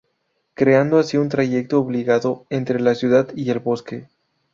Creando así un trayecto obligado entre la ciudad y el bosque.